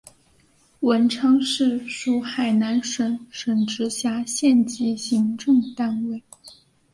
文昌市属海南省省直辖县级行政单位。